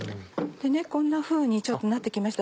こんなふうになって来ました